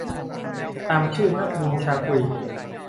ตามชื่อนักบุญชาวกรีก